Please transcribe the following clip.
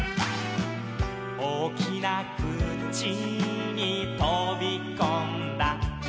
「おおきなくちにとびこんだ」